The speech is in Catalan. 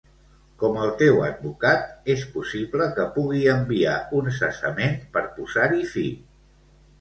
Com el teu advocat, és possible que pugui enviar un cessament per posar-hi fi.